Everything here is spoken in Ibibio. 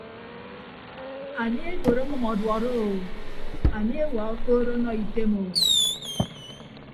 Anie ebod ọmʌm ọduọd o anie ewa okood ọnọ item o.